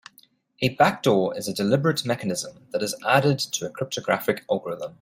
A backdoor is a deliberate mechanism that is added to a cryptographic algorithm.